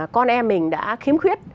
con em mình đã khiếm khuyết